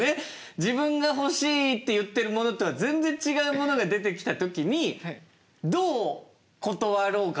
自分が欲しいって言ってるものとは全然違うものが出てきた時にどう断ろうかというか。